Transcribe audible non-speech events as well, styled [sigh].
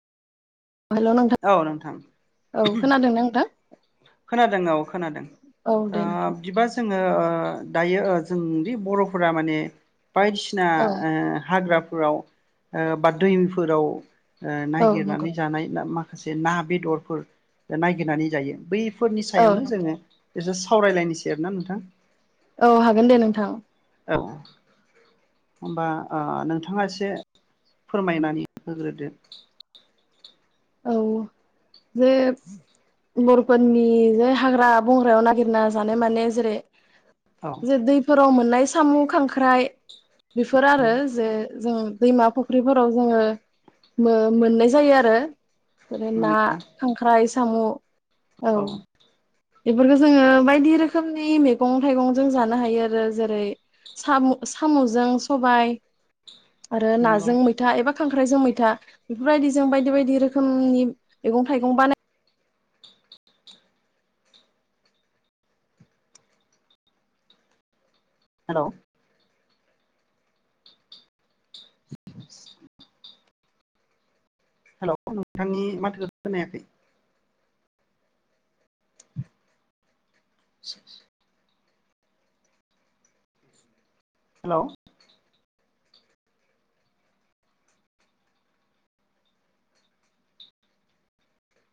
हेल' नोंथां औ नोंथां औ [unintelligible] खोनादों नोंथां खोनादों औ खोनादों औ ओ दे नोंथां बिबाज जोङो ओ दायो ओ जोंदि बर'फोरा माने बायदिसिना औ ओ हाग्रा फोराव ओ बा दैफोराव ओ औ नंगौ नायागिरनानै जानाय ना मा माखासे ना बेदरफोर नायगिरनानै जायो बै फोरनि औ सायावनो जोङो इसे सावरायलायनोसै आरोना नोंथां औ हागोन दे नोंथां औ होमबा ओ नोंथाङा एसे फोरमायनानै होग्रोदो औ औ जे बर' फोरनि जे हाग्रा बंग्रायाव नागिरना जानाय माने जेरै औ जे बैफोर हराव मोननाय सामु, खांख्राइ बेफोर आरो जो जों दैमा फुख्रिफोराव जोङो मो-मोननाय जायो आरो बेफोरो ना, नंगौ खांख्राइ, साम' औ बेफोरखौ जोङो बायदि रोखोमनि मैगं थाइगं जों जानो हायो आरो जेरै साम' साम'जों सबाय आरो नंगौ नाजों मैथा एबा खांख्राइ जों मैथा बेफोरबायदि जों बायदि बायदि रोखोमनि मैगं थाइगं बानाय हेल' हेल' नोंथांनि माथोखौ खोनायाखै [unintelligible] हेल'